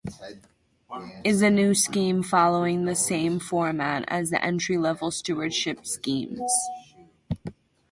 Is a new scheme following the same format as the entry level stewardship schemes.